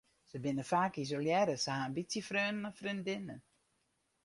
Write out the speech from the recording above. Se binne faak isolearre, se ha in bytsje freonen of freondinnen.